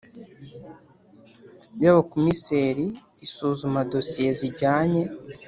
Y abakomiseri isuzuma dosiye zijyanye